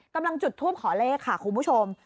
กำลังจุดทูปขอเลขค่ะคุณผู้ชม